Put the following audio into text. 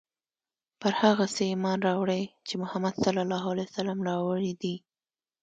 پر هغه څه ایمان راوړی چې محمد ص راوړي دي.